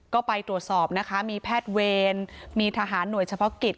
ก็ไปตรวจสอบนะคะมีแพทย์เวรมีทหารหน่วยเฉพาะกิจ